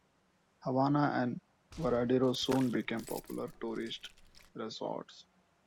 Havana and Varadero soon became popular tourist resorts.